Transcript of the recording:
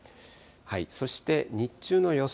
そして日中の予想